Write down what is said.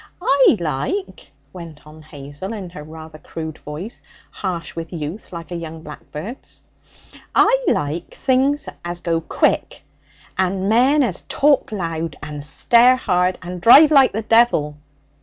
'I like,' went on Hazel in her rather crude voice, harsh with youth like a young blackbird's 'I like things as go quick and men as talk loud and stare hard and drive like the devil!'